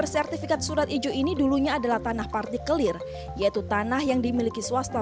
sertifikat surat ijo ini dulunya adalah tanah partikelir yaitu tanah yang dimiliki swasta